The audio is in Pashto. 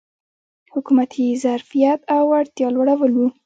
حکومتي ظرفیت او وړتیا لوړول و.